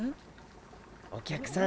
お客さん